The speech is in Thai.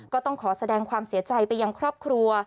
ก็ต้องขอแสดงความเสียใจไปยังครอบครัว